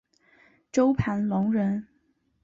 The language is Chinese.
周盘龙人。